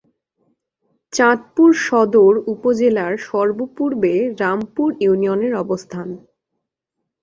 চাঁদপুর সদর উপজেলার সর্ব-পূর্বে রামপুর ইউনিয়নের অবস্থান।